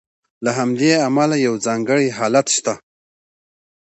له همدې امله یو ځانګړی حالت شته.